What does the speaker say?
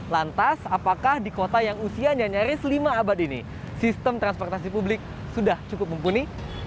lantas apakah di kota yang usianya nyaris lima abad ini sistem transportasi publik sudah cukup mumpuni